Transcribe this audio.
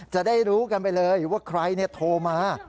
จะได้รู้กันไปเลยว่าใครโทรมา